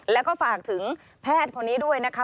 แล้วก็ฝากถึงแพทย์คนนี้ด้วยนะคะ